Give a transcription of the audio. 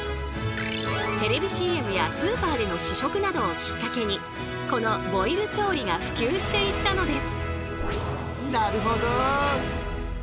テレビＣＭやスーパーでの試食などをきっかけにこのボイル調理が普及していったのです。